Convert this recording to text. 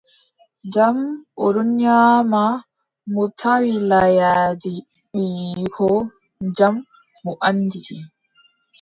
Jam, o ɗon nyaama, mo tawi layaaji ɓiyiiko, jam mo annditi.